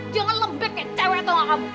jangan lembek kayak cewek tau gak kamu